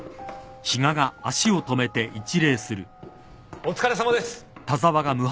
お疲れさまです。